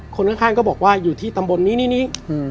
คนข้างก็บอกว่าอยู่ที่ตำบลนี้นี่